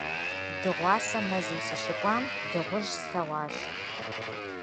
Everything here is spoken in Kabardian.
Дыгъуасэ мэзым сыщыкӀуам дыгъужь слъэгъуащ.